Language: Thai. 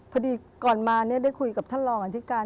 พอดีก่อนมาได้คุยกับท่านรองอธิการ